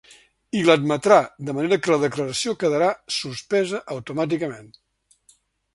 I l’admetrà, de manera que la declaració quedarà suspesa automàticament.